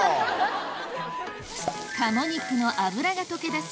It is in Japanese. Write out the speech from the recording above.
鴨肉の脂が溶け出す